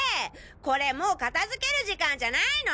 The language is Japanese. これもう片付ける時間じゃないの！？